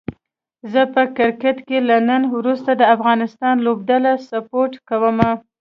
زه په کرکټ کې له نن وروسته د افغانستان لوبډله سپوټ کووم